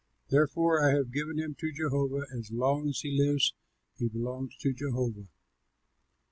Therefore I have given him to Jehovah; as long as he lives he belongs to Jehovah."